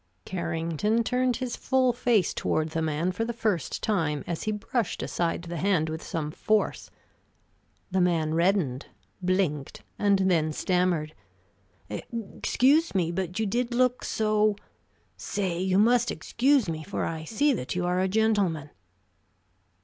Carrington turned his full face toward the man for the first time as he brushed aside the hand with some force. The man reddened, blinked, and then stammered: "Excuse me, but you did look so Say, you must excuse me, for I see that you are a gentleman."